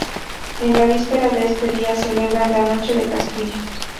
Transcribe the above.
En la víspera de este día celebran "La Noche del Castillo".